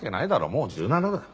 もう１７だよ。